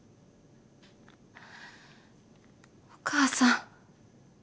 お母さん。